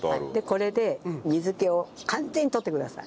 これで水気を完全に取ってください。